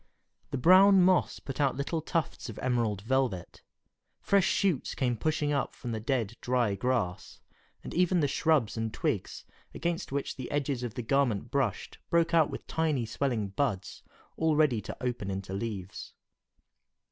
The brown moss put out little tufts of emerald velvet, fresh shoots came pushing up from the dead, dry grass, and even the shrubs and twigs against which the edges of the garment brushed broke out with tiny swelling buds, all ready to open into leaves.